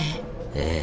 ええ。